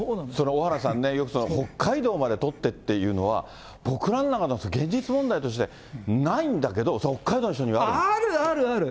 小原さんね、よく、北海道まで取ってっていうのは、僕らの中では現実問題として、ないんだけど、あるあるある。